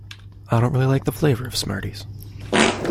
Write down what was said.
I don't really like the flavour of Smarties